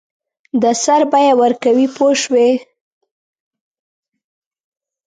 د سر بیه ورکوي پوه شوې!.